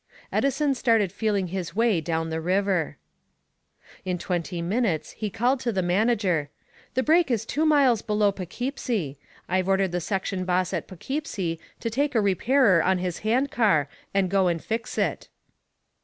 Edison started feeling his way down the river. In twenty minutes he called to the manager, "The break is two miles below Poughkeepsie I've ordered the section boss at Poughkeepsie to take a repairer on his handcar and go and fix it!"